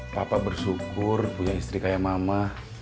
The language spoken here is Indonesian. papa bersyukur punya istri kayak mama